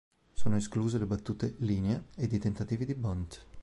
Sono escluse le battute linea ed i tentativi di bunt.